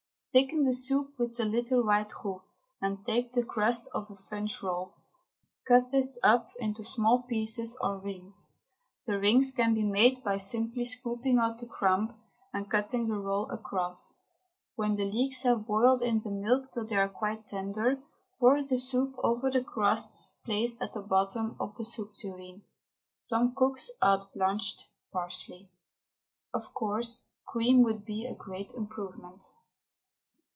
Thicken the soup with a little white roux and take the crust of a French roll. Cut this up into small pieces or rings. The rings can be made by simply scooping out the crumb, and cutting the roll across. When the leeks have boiled in the milk till they are quite tender, pour the soup over the crusts placed at the bottom of the soup tureen. Some cooks add blanched parsley. Of course, cream would be a great improvement.